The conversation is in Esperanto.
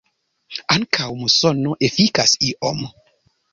Ankaŭ musono efikas iom.